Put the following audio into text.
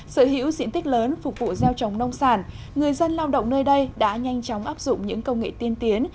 sở hữu diện tích lớn phục vụ gieo trồng nông sản người dân lao động nơi đây đã nhanh chóng áp dụng những công nghệ tiên tiến